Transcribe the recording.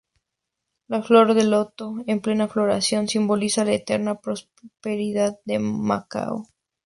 La flor del loto en plena floración simboliza la eterna prosperidad de Macao.